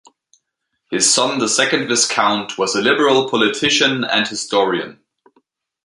His son, the second Viscount, was a Liberal politician and historian.